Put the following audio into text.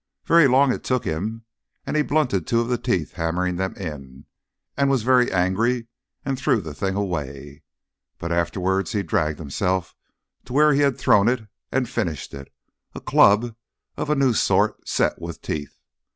Very long it took him, and he blunted two of the teeth hammering them in, and was very angry and threw the thing away; but afterwards he dragged himself to where he had thrown it and finished it a club of a new sort set with teeth.